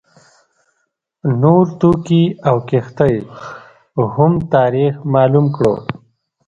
نور توکي او کښتۍ هم تاریخ معلوم کړو.